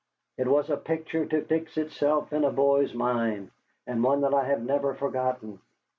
It was a picture to fix itself in a boy's mind, and one that I have never forgotten.